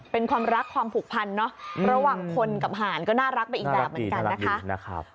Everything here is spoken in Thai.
เป็นความรักความผูกพันระหว่างคนกับห่านก็น่ารักไปอีกแบบ